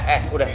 eh eh udah